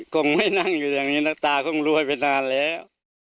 คงไม่นั่งอยู่อย่างนี้นะตาคงรวยไปนานแล้ว